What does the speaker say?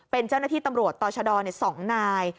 เป็นเจ้าหน้าที่ตำรวจต่อชะดอ๒นาย